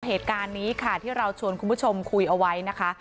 เหตุการณ์นี้ค่ะที่เราชวนคุณผู้ชมคุยเอาไว้นะคะ